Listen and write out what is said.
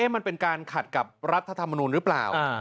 มันเป็นการขัดกับรัฐธรรมนุนหรือเปล่า